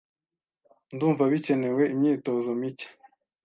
Ndumva bikenewe imyitozo mike.